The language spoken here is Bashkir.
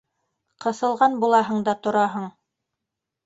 Ҡыҫылған булаһың да тораһың!